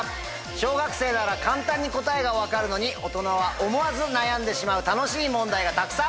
小学生なら簡単に答えが分かるのに大人は思わず悩んでしまう楽しい問題がたくさん！